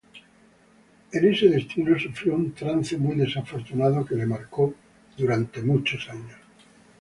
En ese destino sufrió un trance muy desafortunado que le marcó por muchos años.